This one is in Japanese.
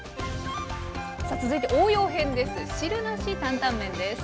さあ続いて応用編です。